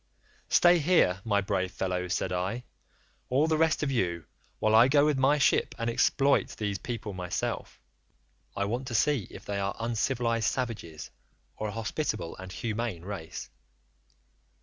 "'Stay here, my brave fellows,' said I, 'all the rest of you, while I go with my ship and exploit these people myself: I want to see if they are uncivilised savages, or a hospitable and humane race.